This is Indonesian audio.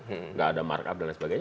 tidak ada markup dan lain sebagainya